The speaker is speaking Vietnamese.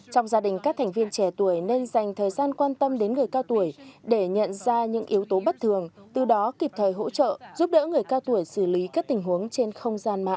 trong gia đình các thành viên trẻ tuổi nên dành thời gian quan tâm đến người cao tuổi để nhận ra những yếu tố bất thường từ đó kịp thời hỗ trợ giúp đỡ người cao tuổi xử lý các tình huống trên không gian mạng